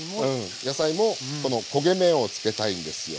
野菜もこの焦げ目をつけたいんですよ。